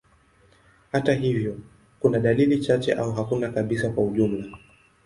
Hata hivyo, kuna dalili chache au hakuna kabisa kwa ujumla.